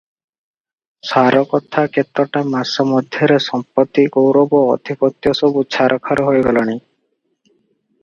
ସାରକଥା କେତୋଟା ମାସ ମଧ୍ୟରେ ସମ୍ପତ୍ତି, ଗୌରବ, ଆଧିପତ୍ୟ ସବୁ ଛାରଖାର ହୋଇଗଲାଣି ।